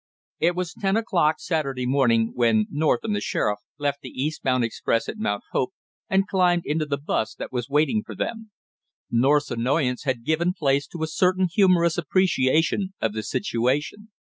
It was ten o'clock Saturday morning when North and the sheriff left the east bound express at Mount Hope and climbed into the bus that was waiting for them. North's annoyance had given place to a certain humorous appreciation of the situation.